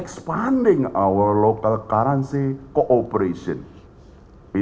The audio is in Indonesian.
kita mengembangkan kooperasi kewangan lokal kita